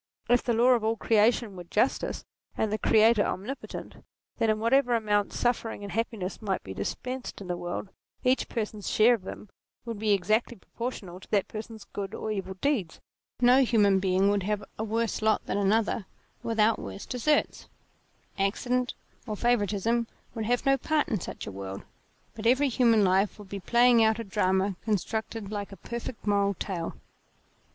If the law of all creation were justice and the Creator omnipotent, then in whatever amount suffering and happiness might be dispensed to the world, each person's share of them would be exactly proportioned to that person's good or evil deeds ; no human being would have a worse lot D 2 38 NATURE than another, without worse deserts ; accident or favouritism would have no part in such a world, but every human life would be the playing out of a drama constructed like a perfect moral tale.